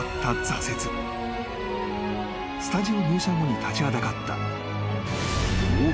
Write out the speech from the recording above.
［スタジオ入社後に立ちはだかった］